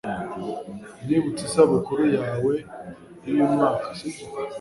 nibutse isabukuru yawe y'uyu mwaka, sibyo